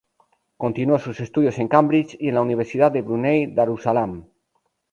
Continuó sus estudios en Cambridge y en la Universidad de Brunei Darussalam.